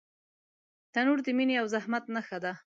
تنور د مینې او زحمت نښه ده